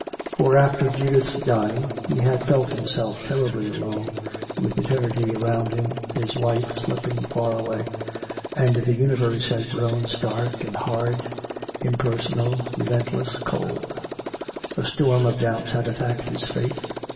For after Judith's dying he had felt himself terribly alone, with eternity around him, his wife slipping far away. And the universe had grown stark and hard, impersonal, relentless, cold. A storm of doubts had attacked his faith.